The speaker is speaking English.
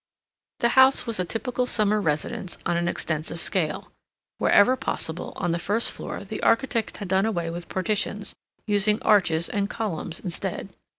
The house was a typical summer residence on an extensive scale. Wherever possible, on the first floor, the architect had done away with partitions, using arches and columns instead.